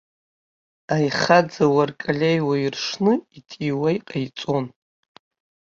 Аихаӡа уаркалеиуа иршны итиуа иҟаиҵон.